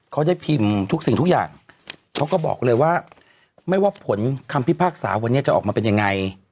เขาได้พิมพ์ทุกสิ่งทุกอย่างเขาก็บอกเลยว่าไม่ว่าผลคำพิพากษาวันนี้จะออกมาเป็นยังไง